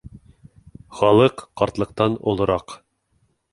Хаҡлыҡ ҡартлыҡтан олораҡ.